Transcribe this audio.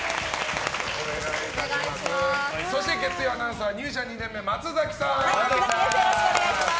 そして月曜アナウンサー入社２年目、松崎さん。